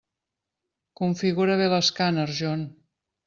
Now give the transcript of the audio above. Configura bé l'escàner, John.